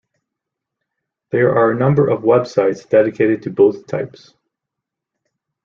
There are a number of web sites dedicated to both types.